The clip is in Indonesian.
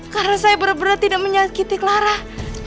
karena saya benar benar tidak menyakiti kelarak